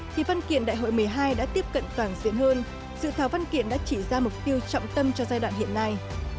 thì văn kiện đại hội một mươi hai đã tiếp cận toàn diện hơn dự thảo văn kiện đã chỉ ra mục tiêu trọng tâm cho giai đoạn hiện nay